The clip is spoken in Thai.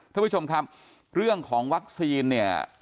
ท่านผู้ชมครับเรื่องของวัคซีนเนี่ย